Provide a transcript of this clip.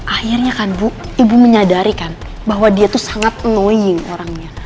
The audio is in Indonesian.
akhirnya kan bu ibu menyadari kan bahwa dia tuh sangat annoying orangnya